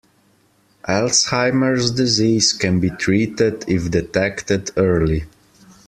Alzheimer’s disease can be treated if detected early.